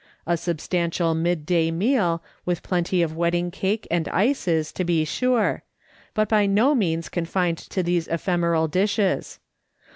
A substantial mid day meal, with plenty of wedding cake and ices, to be sure, but by no means confined to these ephemeral dishes.